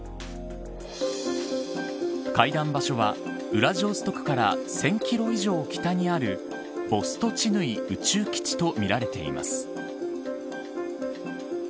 会談場所はウラジオストクから１０００キロ以上北にあるボストチヌイ宇宙基地とみられています。